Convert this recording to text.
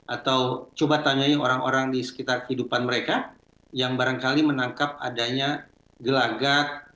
atau coba tanyain orang orang di sekitar kehidupan mereka yang barangkali menangkap adanya gelagat